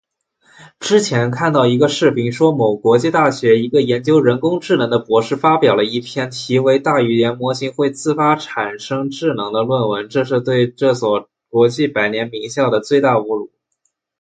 之前看到一个视频说某国际大学一个研究人工智能的博士发表了一篇题为:大语言模型会自发产生智能的论文，这是对这所国际百年名校的最大侮辱